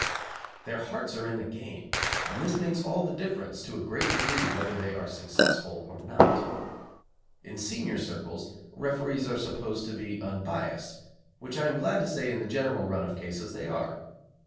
Their hearts are in the game, and this makes all the difference, to a great degree, whether they are successful or not. In senior circles referees are supposed to be unbiassed, which I am glad to say in the general run of cases they are.